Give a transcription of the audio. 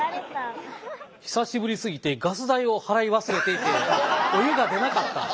久しぶりすぎてガス代を払い忘れていてお湯が出なかった。